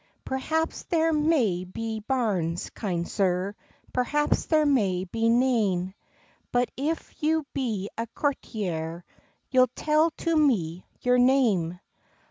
"Perhaps there may be bairns, kind sir, Perhaps there may be nane; But if you be a courtier, You'll tell to me your name."